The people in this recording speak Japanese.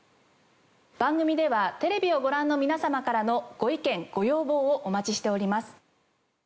番組ではテレビをご覧の皆様からのご意見ご要望をお待ちしております。